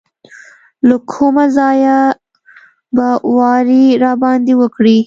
له کومه ځایه به واری راباندې وکړي.